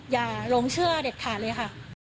อย่าหลงเชื่อเด็ดขาดเลยค่ะ